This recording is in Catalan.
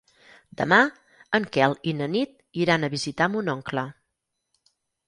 Demà en Quel i na Nit iran a visitar mon oncle.